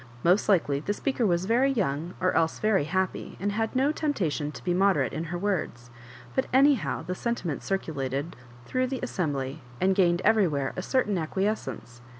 Most likely the speaker was very young, or else very happy, and had no tempta tion to be moderate in her words ; but anyhow the sentiment circulated through the assembly^ and gained everywhere a certain acquiescence.